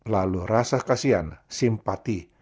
lalu rasa kasihan simpati